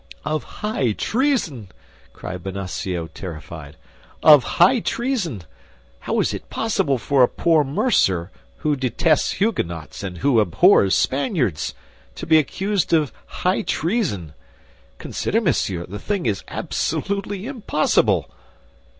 "Of high treason!" cried Bonacieux, terrified; "of high treason! How is it possible for a poor mercer, who detests Huguenots and who abhors Spaniards, to be accused of high treason? Consider, monsieur, the thing is absolutely impossible."